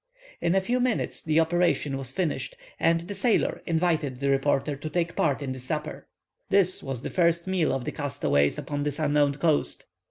In a few minutes the operation was finished, and the sailor invited the reporter to take part in the supper. This was the first meal of the castaways upon this unknown coast.